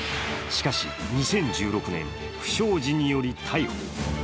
しかし、２０１６年、不祥事により逮捕。